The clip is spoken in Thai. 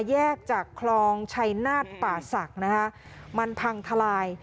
แยกจากคลองชัยนาฏป่าศักดิ์นะคะมันพังทลาย